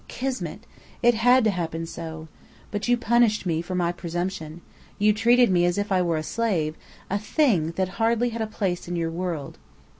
Kismet! It had to happen so. But you punished me for my presumption. You treated me as if I were a slave, a Thing that hardly had a place in your world."